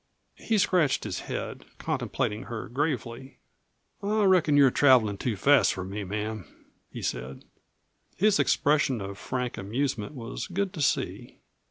He scratched his head, contemplating her gravely. "I reckon you're travelin' too fast for me, ma'am," he said. His expression of frank amusement was good to see.